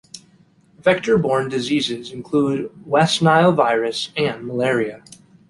Vector-borne diseases include West Nile virus and malaria.